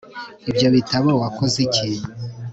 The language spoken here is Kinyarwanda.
ibyo bitabo wakoze iki